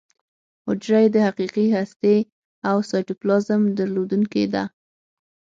حجره یې د حقیقي هستې او سایټوپلازم درلودونکې ده.